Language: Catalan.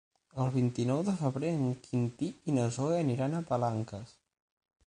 El vint-i-nou de febrer en Quintí i na Zoè aniran a Palanques.